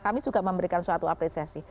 kami juga memberikan suatu apresiasi